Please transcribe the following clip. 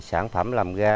sản phẩm làm ga